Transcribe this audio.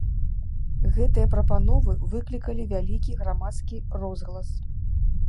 Гэтыя прапановы выклікалі вялікі грамадскі розгалас.